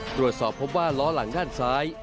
ตรวจสอบพบว่าล้อหลังด้านซ้าย